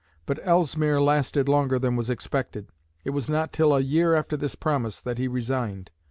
But Ellesmere lasted longer than was expected. It was not till a year after this promise that he resigned.